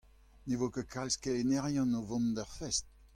Ne vo ket kalz kelennerien o vont d'ar fest.